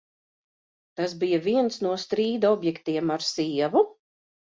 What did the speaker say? Tas bija viens no strīda objektiem ar sievu?